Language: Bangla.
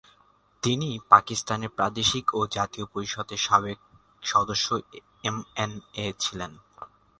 তিনি পাকিস্তানের প্রাদেশিক ও জাতীয় পরিষদের সাবেক সদস্য এমএনএ ছিলেন।